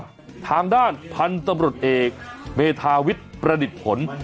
ทางด้านพันธุ์ตำรวจเอกเมธาวิทย์ประดิษฐ์ผล